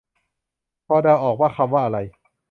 พอเดาออกว่าคำว่าอะไร